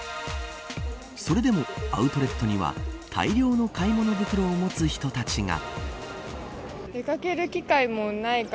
それでも、アウトレットには大量の買い物袋を持つ人たちが。